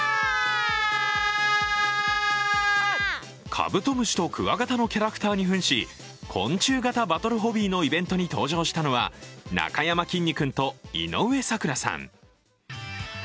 カブトムシとクワガタのキャラクターにふんし昆虫型バトルホビーのイベントに登場したのはなかやまきんに君と井上咲楽さん。